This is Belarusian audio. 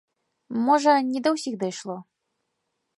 Можа, не да ўсіх дайшло.